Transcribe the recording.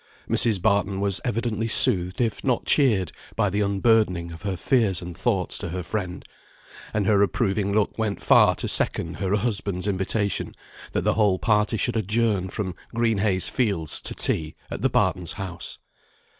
Mrs. Barton was evidently soothed, if not cheered, by the unburdening of her fears and thoughts to her friend; and her approving look went far to second her husband's invitation that the whole party should adjourn from Green Heys Fields to tea, at the Bartons' house.